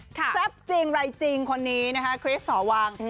เซ็บจริงไรจริงคนนี้นะครับคริสสหวัง